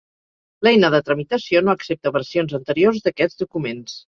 L'eina de tramitació no accepta versions anteriors d'aquests documents.